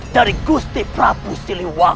ter weather sedang menyesuaikan